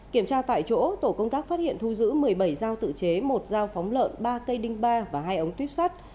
kiểm tra tại chỗ tổ công tác phát hiện thu giữ một mươi bảy dao tự chế một dao phóng lợn ba cây đinh ba và hai ống tuyếp sắt